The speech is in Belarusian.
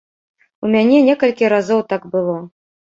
У мяне некалькі разоў так было.